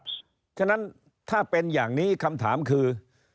เพราะฉะนั้นถ้าเป็นอย่างนี้คำถามคือ